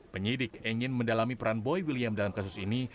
penyidik ingin mendalami peran boy william dalam kasus ini